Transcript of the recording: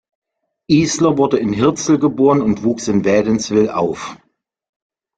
Isler, wurde in Hirzel geboren und wuchs in Wädenswil auf.